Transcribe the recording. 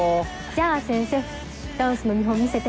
じゃあ先生ダンスの見本見せて。